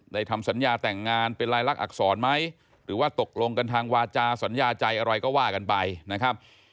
ทำสัญญาแต่งงานเป็นลายลักษรไหมหรือว่าตกลงกันทางวาจาสัญญาใจอะไรก็ว่ากันไปนะครับ